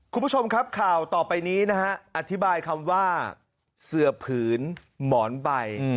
คุณผู้ชมครับข่าวต่อไปนี้นะฮะอธิบายคำว่าเสือผืนหมอนใบ